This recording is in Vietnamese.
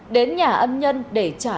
đến nhà âm nhân để trả lời